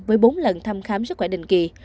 với bốn lần thăm khám sức khỏe đình kỳ